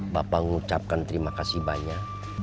bapak mengucapkan terima kasih banyak